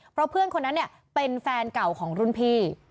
เพราะเพื่อนคนนั้นเนี่ยเป็นแฟนเก่าของรุ่นพี่